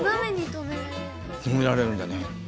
止められるんだよね。